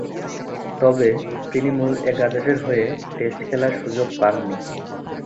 তবে তিনি মূল একাদশের হয়ে টেস্ট খেলার সুযোগ পাননি।